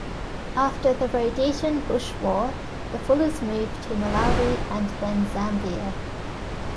After the Rhodesian Bush War, the Fullers move to Malawi and then Zambia.